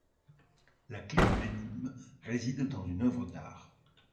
La clé de l'énigme réside dans une œuvre d'art.